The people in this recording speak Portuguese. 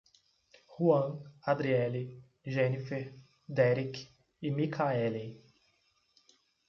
Ruam, Adriely, Genifer, Derick e Mikaeli